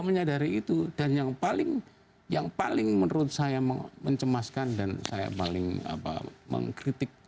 menyadari itu dan yang paling yang paling menurut saya mencemaskan dan saya paling apa mengkritik